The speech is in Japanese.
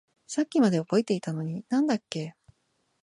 さっきまで覚えていたのに何だっけ？